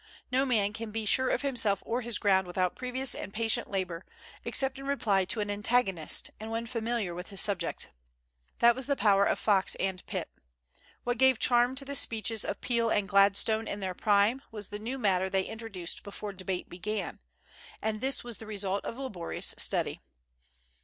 No man can be sure of himself or his ground without previous and patient labor, except in reply to an antagonist and when familiar with his subject. That was the power of Fox and Pitt. What gave charm to the speeches of Peel and Gladstone in their prime was the new matter they introduced before debate began; and this was the result of laborious study.